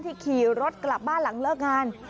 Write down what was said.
ขี่รถกลับบ้านหลังเลิกงาน